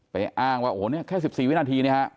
ไปอ้างว่านี่แค่๑๔วินาที